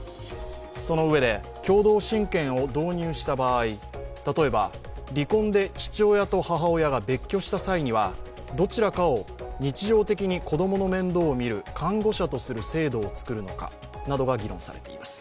そのうえで、共同親権を導入した場合例えば、離婚で父親と母親が別居した際にはどちらかを日常的に子供の面倒をみる監護者とする制度を作るのかなどが議論されています。